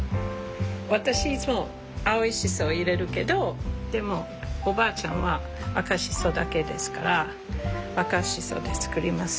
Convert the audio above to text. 私いつも青いシソ入れるけどでもおばあちゃんは赤シソだけですから赤シソで作ります。